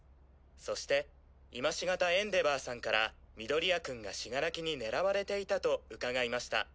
そして今しがたエンデヴァーさんから緑谷くんが死柄木に狙われていたと伺いました。